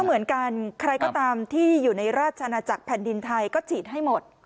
เหมือนกันใครก็ตามที่อยู่ในราชนาจักรแผ่นดินไทยก็ฉีดให้หมด